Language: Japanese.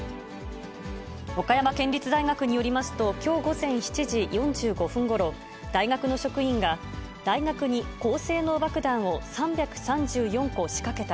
岡山県立大学によりますと、きょう午前７時４５分ごろ、大学の職員が、大学に高性能爆弾を３３４個仕掛けた。